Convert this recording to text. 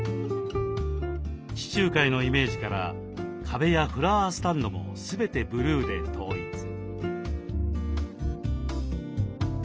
地中海のイメージから壁やフラワースタンドも全てブルーで統一。